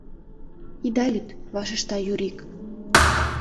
— Ида лӱд, — вашешта Юрик.